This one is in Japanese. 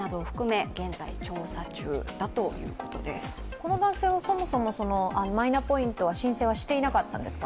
この場合、そもそもマイナポイントは申請していなかったんですか？